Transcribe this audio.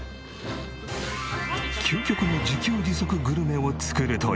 究極の自給自足グルメを作るという。